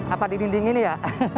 apa di dinding ini ya